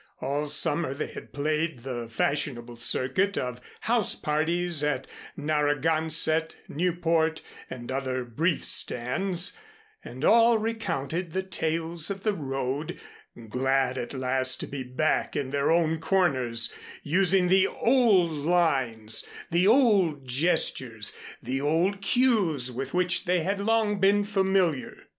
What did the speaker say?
All summer they had played the fashionable circuit of house parties at Narragansett, Newport and other brief stands, and all recounted the tales of the road, glad at last to be back in their own corners, using the old lines, the old gestures, the old cues with which they had long been familiar.